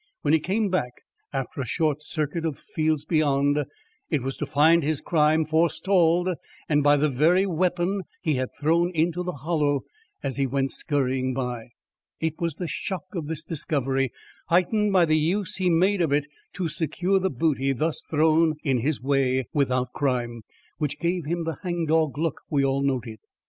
When he came back after a short circuit of the fields beyond, it was to find his crime forestalled and by the very weapon he had thrown into the Hollow as he went skurrying by. It was the shock of this discovery, heightened by the use he made of it to secure the booty thus thrown in his way without crime, which gave him the hang dog look we all noted.